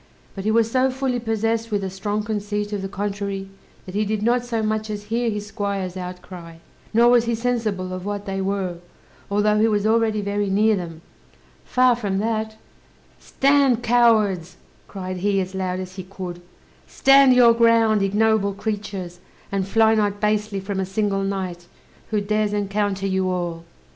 But he was so fully possessed with a strong conceit of the contrary, that he did not so much as hear his squire's outcry, nor was he sensible of what they were, although he was already very near them; far from that: "Stand, cowards," cried he, as loud as he could; "stand your ground, ignoble creatures, and fly not basely from a single knight, who dares encounter you all!"